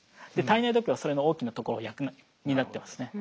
体内時計はそれの大きなところを担ってますね。